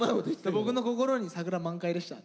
僕の心に桜満開でした。